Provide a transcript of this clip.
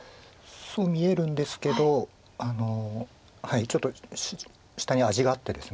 そう見えるんですけどはいちょっと下に味があってですね。